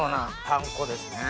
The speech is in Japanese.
パン粉ですね。